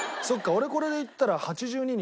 俺これでいったら８２になるの？